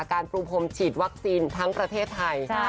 การปูพรมฉีดวัคซีนทั้งประเทศไทย